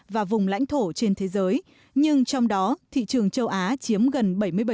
và vùng lãnh thổ trên thế giới nhưng trong đó thị trường châu á chiếm gần bảy mươi bảy